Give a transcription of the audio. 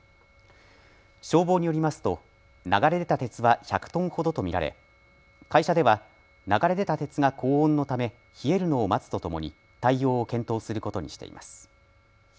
消防によりますと流れ出た鉄は１００トンほどと見られ会社では流れ出た鉄が高温のため冷えるのを待つとともに対応を検討することにしています。